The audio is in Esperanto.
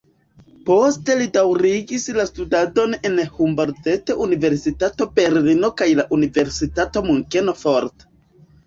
Poste li daŭrigis la studadon en la Humboldt-universitato Berlino kaj la universitato Munkeno fort.